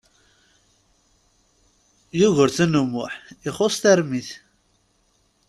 Yugurten U Muḥ ixuṣ tarmit.